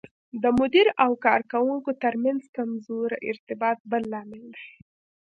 د مدیر او کارکوونکو ترمنځ کمزوری ارتباط بل لامل دی.